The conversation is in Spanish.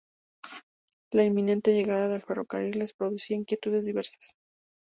La inminente llegada del ferrocarril les producía inquietudes diversas.